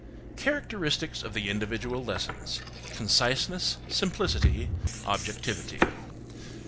CHARACTERISTICS OF THE INDIVIDUAL LESSONS:– CONCISENESS, SIMPLICITY, OBJECTIVITY.